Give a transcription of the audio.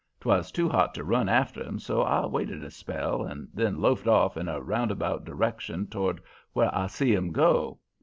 'Twas too hot to run after 'em, so I waited a spell and then loafed off in a roundabout direction toward where I see 'em go.